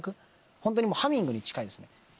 ホントにハミングに近いですね